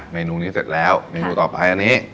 เมนูนี้เสร็จแล้วเมนูต่อไปอันนี้